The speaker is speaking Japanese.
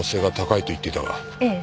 ええ。